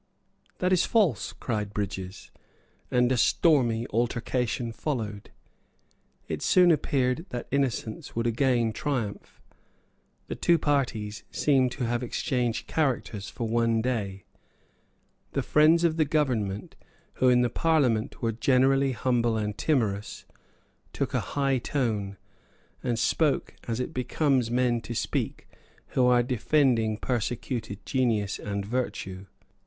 "That is false," cried Brydges; and a stormy altercation followed. It soon appeared that innocence would again triumph. The two parties seemed to have exchanged characters for one day. The friends of the government, who in the Parliament were generally humble and timorous, took a high tone, and spoke as it becomes men to speak who are defending persecuted genius and virtue.